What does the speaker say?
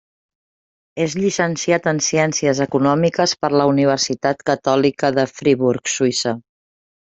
És llicenciat en Ciències Econòmiques per la Universitat Catòlica de Friburg, Suïssa.